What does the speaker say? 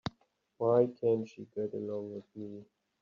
Why can't she get along with me?